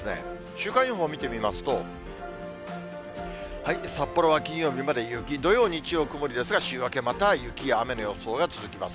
週間予報見てみますと、札幌は金曜日まで雪、土曜、日曜、曇りですが、週明け、また雪や雨の予想が続きます。